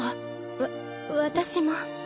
わ私も。